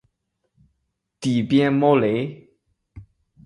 底边猫雷！